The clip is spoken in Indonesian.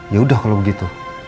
ya udah kalau begitu